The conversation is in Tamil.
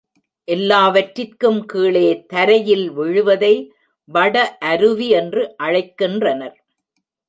எல்லாவற்றிற்கும் கீழே தரையில் விழுவதை வட அருவி என்று அழைக்கின்றனர்.